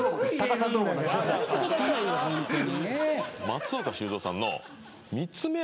松岡修造さんの。